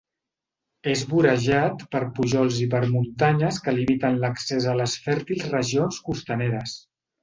És vorejat per pujols i per muntanyes que limiten l'accés a les fèrtils regions costaneres.